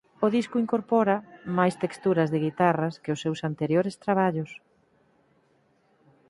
O disco incorpora máis texturas de guitarras que os seus anteriores traballos.